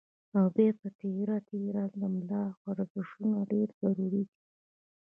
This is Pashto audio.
او بيا پۀ تېره تېره د ملا ورزشونه ډېر ضروري دي